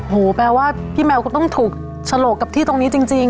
แปลว่าพี่แมวก็ต้องถูกฉลกกับที่ตรงนี้จริง